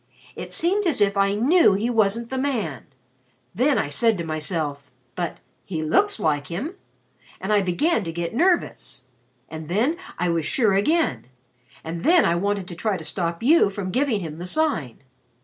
It seemed as if I knew he wasn't the man. Then I said to myself 'but he looks like him' and I began to get nervous. And then I was sure again and then I wanted to try to stop you from giving him the Sign.